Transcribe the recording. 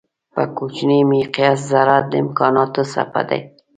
په کوچني مقیاس ذرات د امکانانو څپه دي.